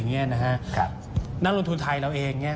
นักลงทุนไทยเราเอง